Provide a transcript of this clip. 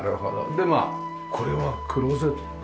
でまあこれはクローゼット？